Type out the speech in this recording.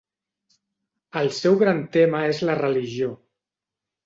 El seu gran tema és la religió.